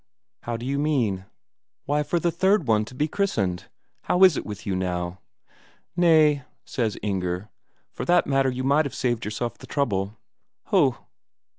"How d'you mean?" "Why, for the third one to be christened. How is it with you now?" "Nay," says Inger. "For that matter you might have saved yourself the trouble." "Ho."